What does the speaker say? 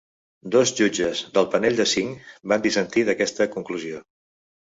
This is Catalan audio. Dos jutges del panell de cinc van dissentir d'aquesta conclusió.